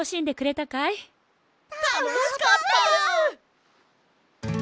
たのしかったです！